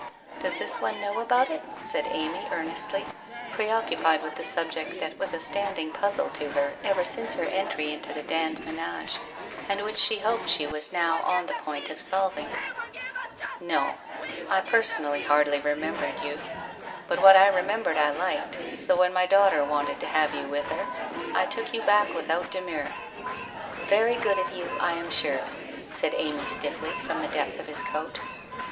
' Does this one know about it ?' said Amy earnestly, preoccupied with the subject that was a standing puzzle to her ever since her entry into the Dand menage, and which she hoped she was now on the point of solving. WHITE ROSE OF WEARY LEAF 81 1 Xo. I personally hardly remembered you, but what I remembered I liked, so when my daughter wanted to have you with her, I took you back without demur.' ' Very good of you, I am sure/ said Amy stiffly, from the depth of his coat.